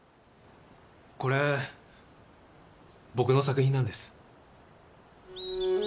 これ僕の作品なんです